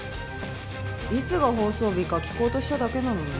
いつが放送日か聞こうとしただけなのに。